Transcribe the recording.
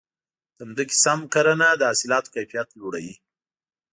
د ځمکې سم کرنه د حاصلاتو کیفیت لوړوي.